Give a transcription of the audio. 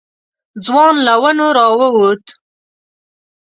ځوان له ونو راووت.